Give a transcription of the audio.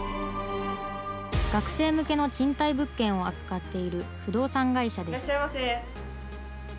学生向けの賃貸物件を扱っている不動産会社です。